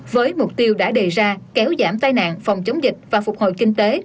với mục tiêu đã đề ra kéo giảm tai nạn phòng chống dịch và phục hồi kinh tế